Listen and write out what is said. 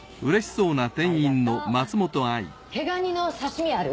毛ガニの刺身ある？